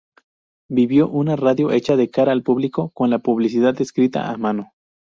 Vivió una radio hecha de cara al público con la publicidad escrita a mano.